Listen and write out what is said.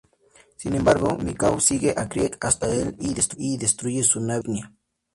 Sin embargo Mihawk sigue a Krieg hasta el y destruye su nave insignia.